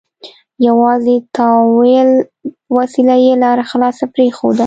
یوازې د تأویل په وسیله یې لاره خلاصه پرېښوده.